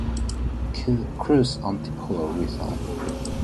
Cruz, Antipolo, Rizal.